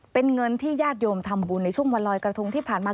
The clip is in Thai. เป็นเงินที่ญาติโยมทำบุญในช่วงวันลอยกระทงที่ผ่านมา